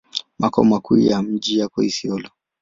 Makao makuu yako mjini Isiolo.